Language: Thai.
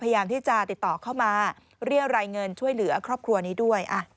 พยายามที่จะติดต่อเข้ามาเรียรายเงินช่วยเหลือครอบครัวนี้ด้วย